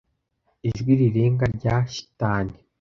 ijwi rirenga rya shitani